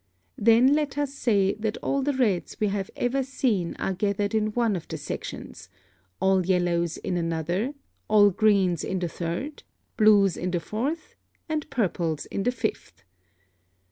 Then let us say that all the reds we have ever seen are gathered in one of the sections, all yellows in another, all greens in the third, blues in the fourth, and purples in the fifth.